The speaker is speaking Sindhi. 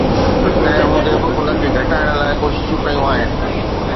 تنهن هوندي به، ان کي گهٽائڻ لاء ڪوششون ڪيون آهن